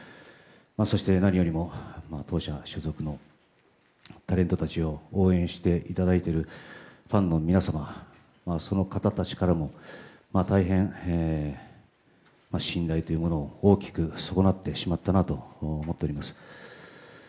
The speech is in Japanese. そして、何よりも当社所属のタレントたちを応援していただいているファンの皆様、その方たちからも大変、信頼というものを大きく損なってしまったなと思っております。